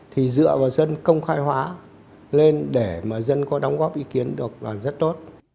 thì dựa vào dân công khai hóa lên để mà dân có đóng góp ý kiến được là rất tốt